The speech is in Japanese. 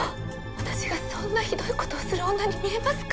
私がそんなひどいことをする女に見えますか？